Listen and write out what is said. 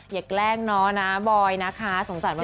อย่าแกล้งน้องนะบอยล์นะคะสงสัยวันใหม่